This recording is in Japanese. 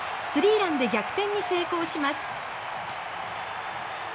３ランで逆転に成功します。